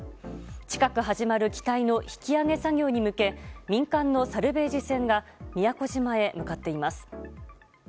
近く始まる機体の引き揚げ作業に向け民間のサルベージ船が宮古島へ向かっています。